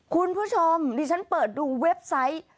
คุณผู้ชมดิฉันเปิดดูเว็บไซต์